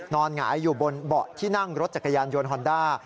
หงายอยู่บนเบาะที่นั่งรถจักรยานยนต์ฮอนด้า